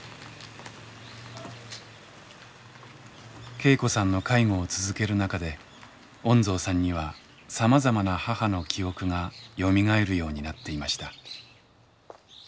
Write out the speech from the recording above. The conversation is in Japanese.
恵子さんの介護を続ける中で恩蔵さんにはさまざまな母の記憶がよみがえるようになっていました。